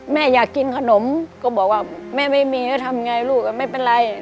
แม่อยากกินขนมก็บอกว่าแม่ไม่มีแล้วทำไงลูกก็ไม่เป็นไร